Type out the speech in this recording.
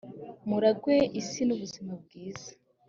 muragwe isi n’ubuzima bwiza